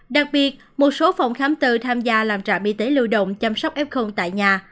đặc biệt một số phòng khám tư tham gia làm trạm y tế lưu động chăm sóc f tại nhà